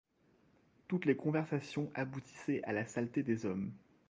Toutes les conversations aboutissaient à la saleté des hommes.